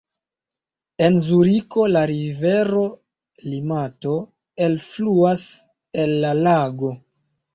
En Zuriko la rivero Limato elfluas el la lago.